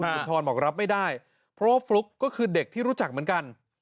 สุนทรบอกรับไม่ได้เพราะว่าฟลุ๊กก็คือเด็กที่รู้จักเหมือนกัน